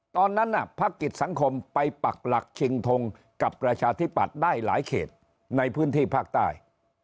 ตอนนั้นพักกิจสังคมไปปักหลักชิงทงกับประชาธิปัตย์ได้หลายเขตในพื้นที่ภาคใต้